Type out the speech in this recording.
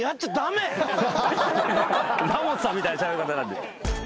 ラモスさんみたいなしゃべり方になってる。